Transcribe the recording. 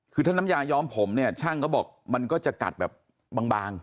คือถ้าน้ำยาย้อมผมเนี่ยช่างก็บอกมันก็จะกัดแบบบาง